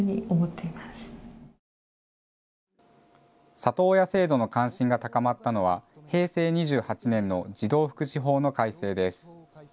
里親制度の関心が高まったのは平成２８年の児童福祉法の改正です。